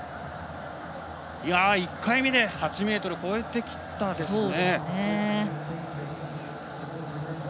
１回目で８ｍを越えてきましたね。